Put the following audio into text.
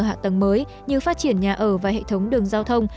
các dự án cơ sở hạ tầng mới như phát triển nhà ở và hệ thống đường giao thông